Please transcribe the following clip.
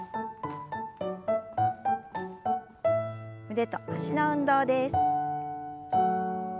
腕と脚の運動です。